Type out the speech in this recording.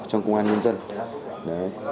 trong công an nhân dân